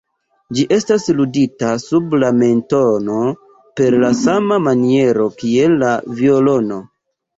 Ĝi estas ludita sub la mentono per la sama maniero kiel la violono.